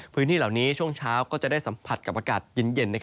พื้นที่เหล่านี้ช่วงเช้าก็จะได้สัมผัสกับอากาศเย็น